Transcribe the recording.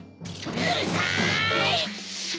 うるさい！